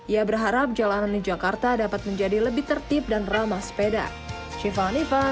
ia berharap jalanan di jakarta dapat menjadi lebih tertib dan ramah sepeda